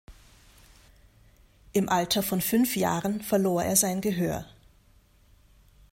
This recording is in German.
Im Alter von fünf Jahren verlor er sein Gehör.